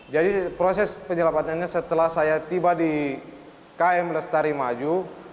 jadi proses penyelamatannya setelah saya tiba di km lestari maju